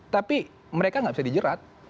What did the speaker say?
tapi mereka nggak bisa dijerat